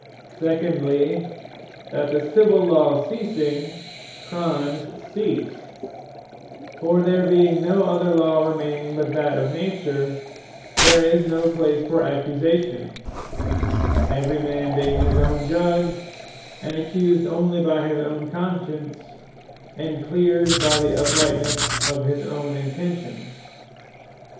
Secondly, that the Civill Law ceasing, Crimes cease: for there being no other Law remaining, but that of Nature, there is no place for Accusation; every man being his own Judge, and accused onely by his own Conscience, and cleared by the Uprightnesse of his own Intention.